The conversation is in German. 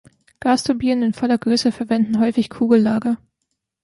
Gasturbinen in voller Größe verwenden häufig Kugellager.